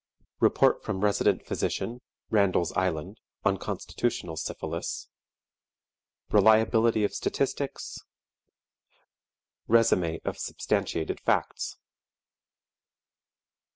Report from RESIDENT PHYSICIAN, RANDALL'S ISLAND, on Constitutional Syphilis. Reliability of Statistics. Resumé of substantiated Facts.